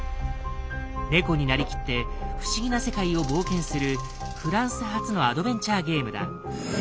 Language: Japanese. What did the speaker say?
猫になりきって不思議な世界を冒険するフランス発のアドベンチャーゲームだ。